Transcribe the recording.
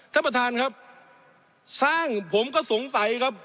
ท่านประธานครับสร้างผมก็สงสัยครับ